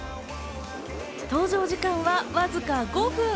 登場時間はわずか５分。